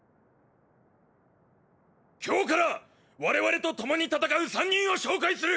今日から我々と共に戦う３人を紹介する！！